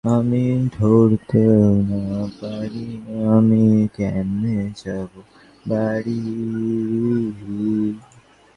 তিনি কিছুদিন শিক্ষকতা করেন।